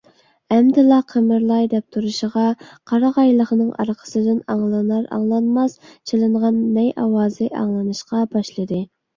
ئەمدىلا قىمىرلاي دەپ تۇرۇشىغا، قارىغايلىقنىڭ ئارقىسىدىن ئاڭلىنار - ئاڭلانماس چېلىنغان نەي ئاۋازى ئاڭلىنىشقا باشلىدى.